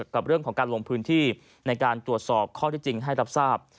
กับเรื่องของการลงพื้นที่ในการตรวจสอบข้อที่จริงให้รับทราบ